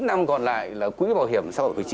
chín năm còn lại là quỹ bảo hiểm